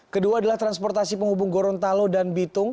kedua adalah transportasi penghubung gorontalo dan bitung